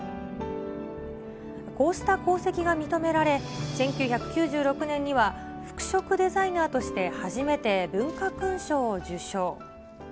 こうした功績が認められ、１９９６年には服飾デザイナーとして初めて文化勲章を受章。